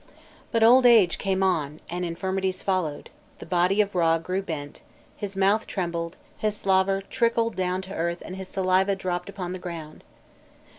But old age came on, and infirmities followed; the body of Râ grew bent, "his mouth trembled, his slaver trickled down to earth and his saliva dropped upon the ground."